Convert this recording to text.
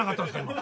今。